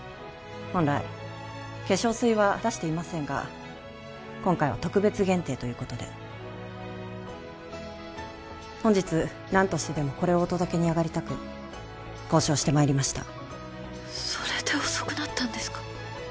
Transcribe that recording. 本来化粧水は出していませんが今回は特別限定ということで本日何としてでもこれをお届けに上がりたく交渉してまいりましたそれで遅くなったんですか？